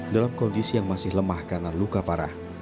dalam kondisi yang masih lemah karena luka parah